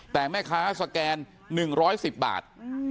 แต่แม่ค้าสแกน๑๑๐บาท